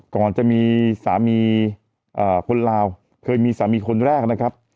ก่อนจะมีสามีคนลาวเคยมีสามีคนแรกนะครับ